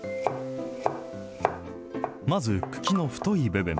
まず茎の太い部分。